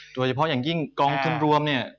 โดยเฉพาะอย่างยิ่งกองทุนรวมเนี่ย